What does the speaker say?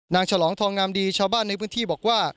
ฉลองทองงามดีชาวบ้านในพื้นที่บอกว่า